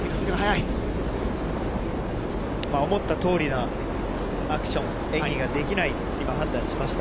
思ったとおりなアクション、演技ができないって今、判断しました。